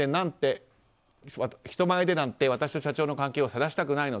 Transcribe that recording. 人前でなんて、私と社長の関係をさらしたくないの。